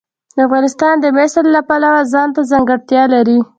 افغانستان د مس د پلوه ځانته ځانګړتیا لري.